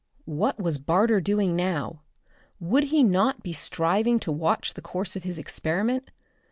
What was Barter doing now? Would he not be striving to watch the course of his experiment?